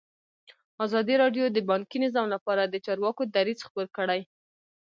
ازادي راډیو د بانکي نظام لپاره د چارواکو دریځ خپور کړی.